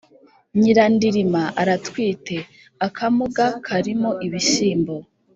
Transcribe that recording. Nyirandirima aratwite-Akamuga karimo ibishyimbo.